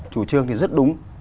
chủ trương thì rất đúng